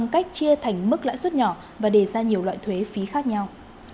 cảnh mức lãi suất nhỏ và đề ra nhiều loại thuế phí khác nhau